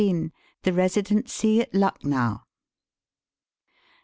THE RESIDENCY AT LUCKNOW.